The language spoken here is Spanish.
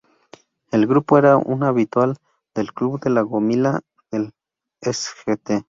El grupo era un habitual del club de La Gomila, el "Sgt.